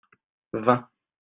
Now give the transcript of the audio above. vingt.